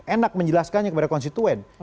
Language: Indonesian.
enak menjelaskannya kepada konstituen